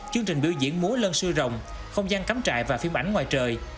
chương trình biểu diễn múa lân sư rồng không gian cắm trại và phim ảnh ngoài trời